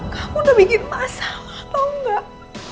kamu udah bikin pasang tau gak